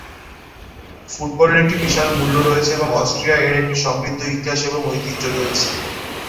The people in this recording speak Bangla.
ফুটবলের একটি বিশাল মূল্য রয়েছে এবং অস্ট্রিয়ায় এর একটি সমৃদ্ধ ইতিহাস এবং ঐতিহ্য রয়েছে।